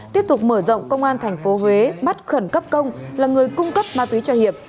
tiếp tục mở rộng công an tp huế bắt khẩn cấp công là người cung cấp ma túy cho hiệp